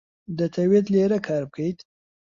دەتەوێت لێرە کار بکەیت؟